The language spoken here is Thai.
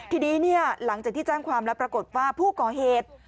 ทีนี้หลังจากที่แจ้งความแล้วปรากฏว่าผู้ก่อเหตุ